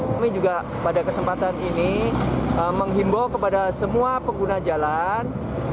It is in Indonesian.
kami juga pada kesempatan ini menghimbau kepada semua pengguna jalan